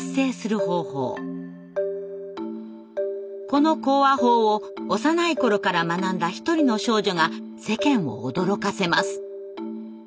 この口話法を幼い頃から学んだ一人の少女が世間を驚かせます。